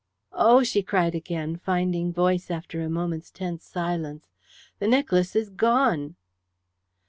"Oh!" she cried again, finding voice after a moment's tense silence. "The necklace is gone."